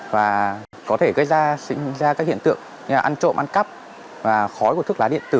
và có thể gây ra các hiện tượng như là ăn trộm ăn cắp và khói của thức lá điện tử